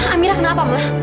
amirah kenapa ma